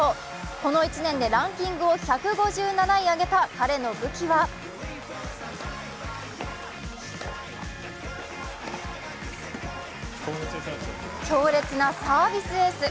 この１年でランキングを１５７位上げた彼の武器は強烈なサービスエース。